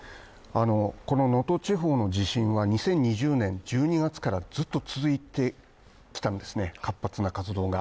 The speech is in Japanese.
この能登地方の地震は２０２０年１２月からずっと続いてきたんですね、活発な活動が。